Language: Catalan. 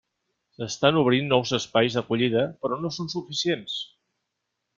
S'estan obrint nous espais d'acollida, però no són suficients.